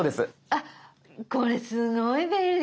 あっこれすごい便利。